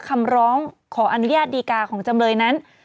คำร้องขออนุญาตดีกาของจำเลยนั้น